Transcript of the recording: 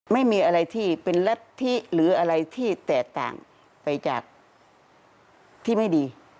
ไม่มีอะไรที่เป็นรัฐธิหรืออะไรที่แตกต่างไปจากที่ไม่ดี